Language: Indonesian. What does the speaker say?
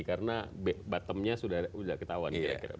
karena bottomnya sudah ketahuan